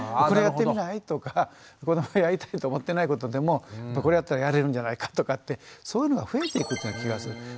「これやってみない？」とか子どもがやりたいと思ってないことでも「これやったらやれるんじゃないか」ってそういうのが増えていく気がする。